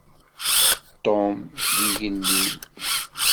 Tom d igellil.